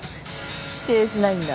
否定しないんだ。